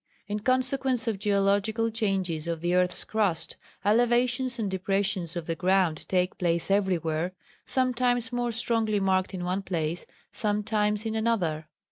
In consequence of geological changes of the earth's crust, elevations and depressions of the ground take place everywhere, sometimes more strongly marked in one place, sometimes in another.